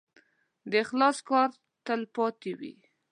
د اخلاص کار تل پاتې وي.